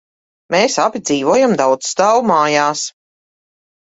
Mēs abi dzīvojām daudzstāvu mājās.